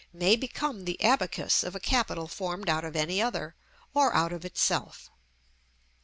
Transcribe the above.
may become the abacus of a capital formed out of any other, or out of itself.